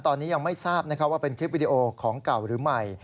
ตอนนี้ยังไม่ทราบว่าเป็นคลิปวิดีโอของเก่าหรือไม่